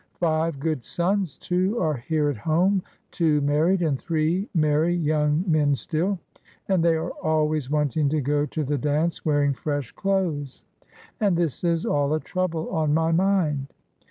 Five good sons, too, are here at home, — two married, and three merry young men still, — and they are always wanting to go to the dance wearing fresh clothes. And this is all a trouble on my mind."